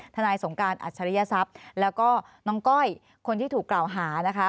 นายสงการอัจฉริยศัพย์แล้วก็น้องก้อยคนที่ถูกกล่าวหานะคะ